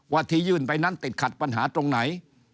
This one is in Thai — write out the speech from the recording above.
ที่ยื่นไปนั้นติดขัดปัญหาตรงไหน